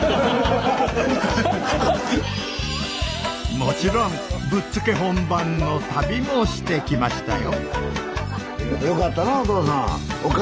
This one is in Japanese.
もちろんぶっつけ本番の旅もしてきましたよ。